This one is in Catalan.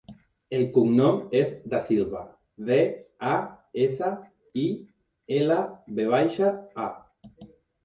El cognom és Dasilva: de, a, essa, i, ela, ve baixa, a.